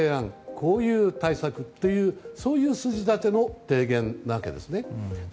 こういう対策というそういう筋立ての提言なわけですね。